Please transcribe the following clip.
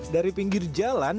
dari pinggir jalan